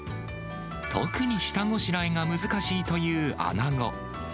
特に下ごしらえが難しいというアナゴ。